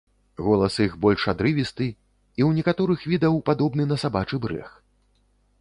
Голас іх больш адрывісты і ў некаторых відаў падобны на сабачы брэх.